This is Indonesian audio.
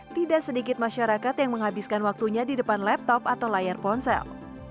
tidak sedikit masyarakat yang menghabiskan waktunya di depan laptop atau layar ponsel